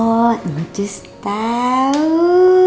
oh mau cus tau